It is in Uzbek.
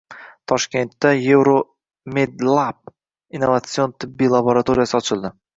Toshkentda Euromedlab innovatsion tibbiy laboratoriyasi ochildi